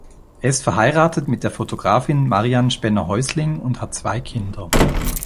Er ist verheiratet mit der Fotografin Marianne Spenner-Häusling und hat zwei Kinder.